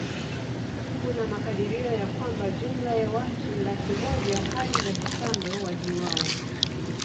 Kuna makadirio ya kwamba jumla ya watu laki moja hadi laki tano waliuawa